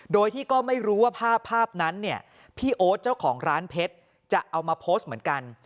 โดยที่ก็ไม่รู้ว่าภาพภาพนั้นเนี่ยพี่โอ๊ตเจ้าของร้านเพชรจะเอามาโพสต์เหมือนกัน